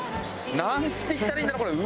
なんつって言ったらいいんだろう。